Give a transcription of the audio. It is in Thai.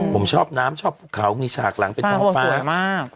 ผมชอบน้ำชอบเขามีฉากหลังเป็นท้องฟ้ามาก